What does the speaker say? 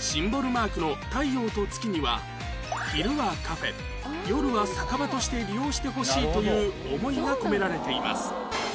シンボルマークの太陽と月には昼はカフェ夜は酒場として利用してほしいという思いが込められています